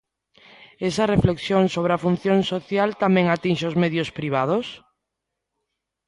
Esa reflexión sobre a función social tamén atinxe os medios privados?